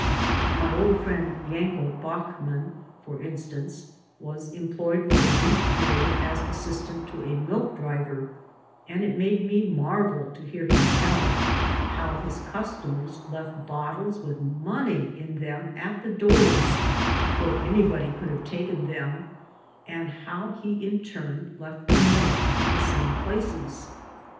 Biy old friend Yankd Bachman, for instance, was enq>loyed for a brief pmod as assistant to a milk driver, and it made me marvd to hear him tdl how his cusUmiefs left bottles with money in them at the docM^ where anybody could have taken them, and how he in turn left the milk in the same places.